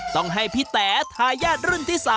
ต้องให้พี่แต๋ทายาทรุ่นที่๓